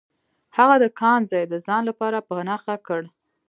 هغه د کان ځای د ځان لپاره په نښه کړ.